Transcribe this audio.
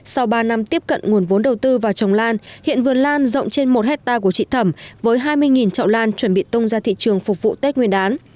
sau ba năm tiếp cận nguồn vốn đầu tư vào trồng lan hiện vườn lan rộng trên một hectare của chị thẩm với hai mươi trậu lan chuẩn bị tung ra thị trường phục vụ tết nguyên đán